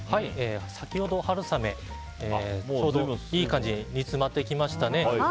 先ほどの春雨いい感じに煮詰まってきましたね。